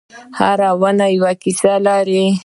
هره ونه یوه کیسه لري.